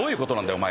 ⁉お前。